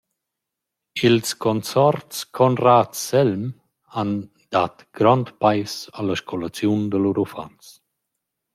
Ils consorts Conrad-Selm han dat grond pais a la scolaziun da lur uffants.